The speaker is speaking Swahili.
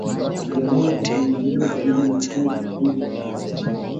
Aliamua kujiendeleza zaidi na chuo Kikuu cha Dar es Salaam